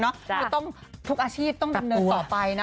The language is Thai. คือต้องทุกอาชีพต้องดำเนินต่อไปนะ